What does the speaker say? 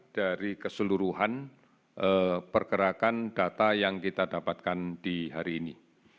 dari keseluruhan pergerakan data yang kita dapatkan di hari ini